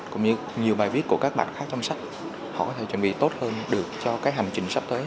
cũng như nhiều bài viết của các bạn khác trong sách họ có thể chuẩn bị tốt hơn được cho cái hành trình sắp tới